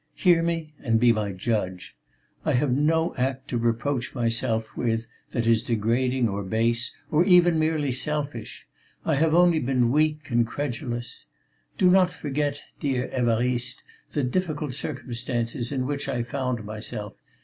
Hear me and be my judge. I have no act to reproach myself with that is degrading or base, or even merely selfish. I have only been weak and credulous.... Do not forget, dear Évariste, the difficult circumstances in which I found myself.